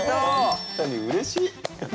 本当にうれしい！